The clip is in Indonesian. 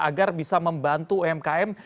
agar bisa membantu umkm